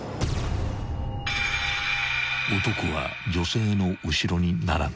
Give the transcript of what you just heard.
［男は女性の後ろに並んだ］